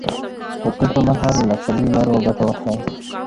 د تلو پر مهال له پلي لارو ګټه واخلئ.